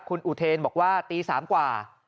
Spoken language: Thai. คุณอุเทนบอกว่าตี๓กว่า